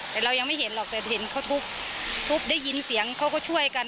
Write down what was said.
แต่เรายังไม่เห็นหรอกแต่เห็นเขาทุบทุบได้ยินเสียงเขาก็ช่วยกัน